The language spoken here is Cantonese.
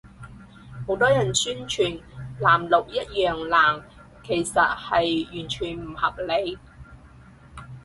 好多人宣傳藍綠一樣爛，其實係完全唔合理